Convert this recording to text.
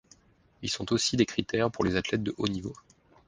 Ils sont aussi des critères pour les athlètes de haut niveau.